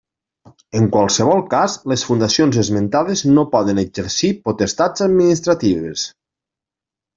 En qualsevol cas, les fundacions esmentades no poden exercir potestats administratives.